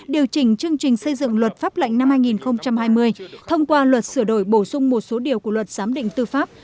lệnh năm hai nghìn hai mươi thông qua luật sửa đổi bổ sung một số điều của luật giám định tư pháp